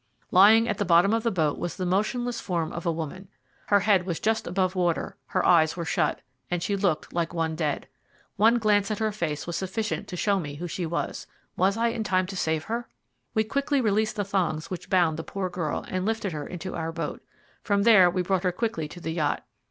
Lying at the bottom of the boat was the motionless form of a woman. Her head was just above water, her eyes were shut; she looked like one dead. One glance at her face was sufficient to show me who she was. Was I in time to save her? We quickly released the thongs which bound the poor girl, and lifted her into our boat. From there we brought her quickly to the yacht.